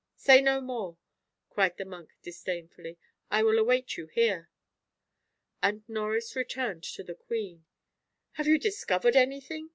"Say no more," cried the monk disdainfully, "I will await you here." And Norris returned to the queen. "Have you discovered anything?"